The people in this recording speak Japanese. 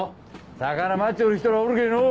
魚待っちょる人らおるけぇのう。